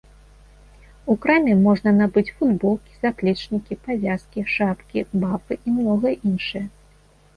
У краме можна набыць футболкі, заплечнікі, павязкі, шапкі, бафы і многае іншае.